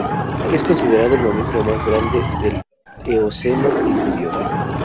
Es considerado el mamífero más grande del Eoceno Inferior.